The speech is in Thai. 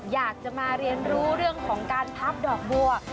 อยากจะมาเรียนรู้เรื่องของการพับดอกบัว